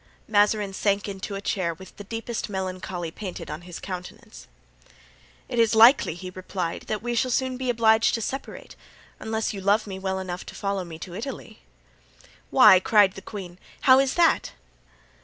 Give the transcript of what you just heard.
Mazarin sank into a chair with the deepest melancholy painted on his countenance. "It is likely," he replied, "that we shall soon be obliged to separate, unless you love me well enough to follow me to Italy." "Why," cried the queen; "how is that?"